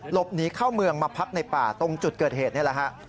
หนีเข้าเมืองมาพักในป่าตรงจุดเกิดเหตุนี่แหละฮะ